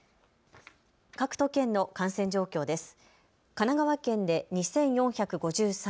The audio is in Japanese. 各都県の感染状況です。